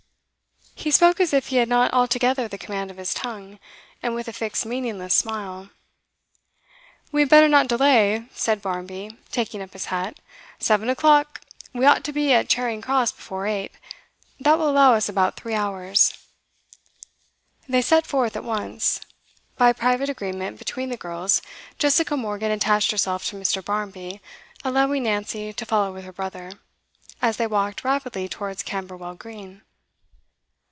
He spoke as if he had not altogether the command of his tongue, and with a fixed meaningless smile. 'We had better not delay,' said Barmby, taking up his hat. 'Seven o'clock. We ought to be at Charing Cross before eight; that will allow us about three hours.' They set forth at once. By private agreement between the girls, Jessica Morgan attached herself to Mr. Barmby, allowing Nancy to follow with her brother, as they walked rapidly towards Camberwell Green.